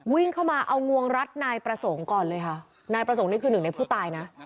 วิ่งเข้ามาเอางวงรัดนายประสงค์ก่อนเลยค่ะนายประสงค์นี่คือหนึ่งในผู้ตายนะ